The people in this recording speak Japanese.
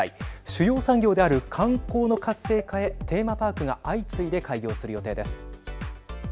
主要産業である観光の活性化へテーマパークが相次いで開業する予定です。